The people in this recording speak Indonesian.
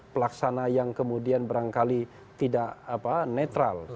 pelaksana yang kemudian berangkali tidak netral